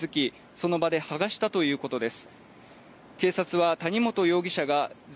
その場で剥がしたということです